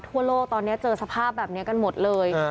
ทั่วโลกตอนนี้เจอสภาพแบบนี้กันหมดเลย